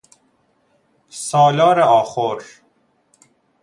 سالار آخور